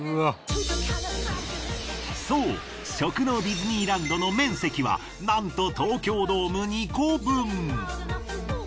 そう食のディズニーランドの面積はなんと東京ドーム２個分！